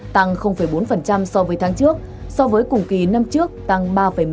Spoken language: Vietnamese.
tăng bốn so với tháng trước so với cùng kỳ năm trước tăng ba một mươi năm